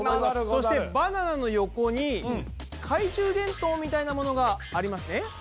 そしてバナナの横に懐中電灯みたいなものがありますね？